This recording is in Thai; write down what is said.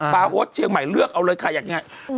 บาร์โฮสเชียงใหม่เลือกเอาเลยค่ะอย่างนี้